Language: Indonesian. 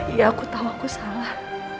iya aku tahu aku salah